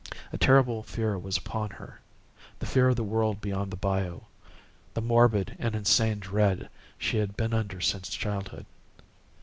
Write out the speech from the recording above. A terrible fear was upon her,—the fear of the world beyond the bayou, the morbid and insane dread she had been under since childhood.